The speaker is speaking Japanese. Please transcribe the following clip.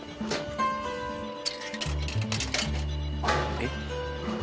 えっ？